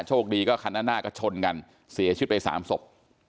โชคดีก็คันนั้นหน้าก็ชนกันเสียชุดไปสามศพ